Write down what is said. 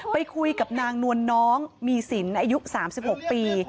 ไปคุยกับนางนวลน้องมีสินอายุ๓๖ปี